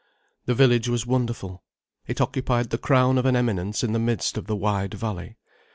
The village was wonderful. It occupied the crown of an eminence in the midst of the wide valley.